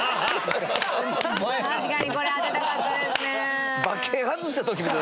確かにこれ当てたかったですね。